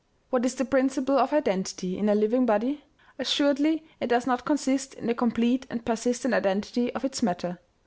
" What is the principle of identity, in a living body ? Assuredly it does not consist in the complete and per sistent identity of its matter.